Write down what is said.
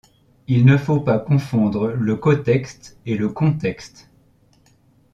Il ne faut pas confondre le cotexte et le contexte.